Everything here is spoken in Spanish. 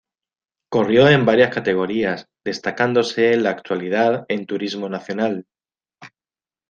Corrió en varias categorías, destacándose en la actualidad en Turismo Nacional.